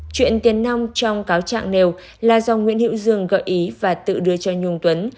chuyện tiền nong trong cáo trạng nều là do nguyễn hiệu dương gợi ý và tự đưa cho nhung tuấn